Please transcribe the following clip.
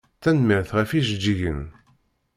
Tanemmirt ɣef ijeǧǧigen.